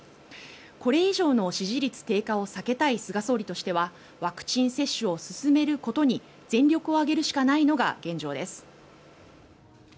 これ以上の支持率低下を避けたい菅総理としてはワクチン接種を進めることに全力を挙げるしかないのが現状です。